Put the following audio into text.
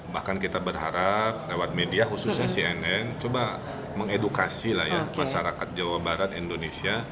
bahkan kita berharap lewat media khususnya cnn coba mengedukasi lah ya masyarakat jawa barat indonesia